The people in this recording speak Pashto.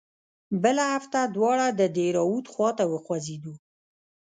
بله هفته دواړه د دهراوت خوا ته وخوځېدو.